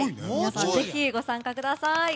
ぜひご参加ください。